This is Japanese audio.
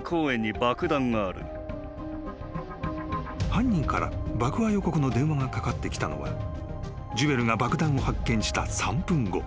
［犯人から爆破予告の電話がかかってきたのはジュエルが爆弾を発見した３分後］